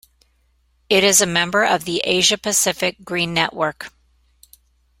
It is a member of the Asia-Pacific Green Network.